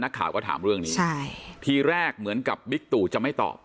นักข่าวก็ถามเรื่องนี้ใช่ทีแรกเหมือนกับบิ๊กตู่จะไม่ตอบ